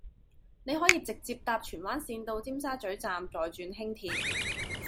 你可以直接搭荃灣綫到尖沙咀站再轉輕鐵